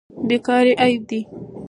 بیکاري عیب دی.